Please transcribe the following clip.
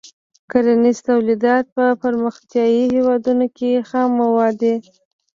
کرنیز تولیدات په پرمختیايي هېوادونو کې خام مواد دي.